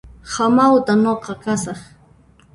Hamawt'a nuqa kasaq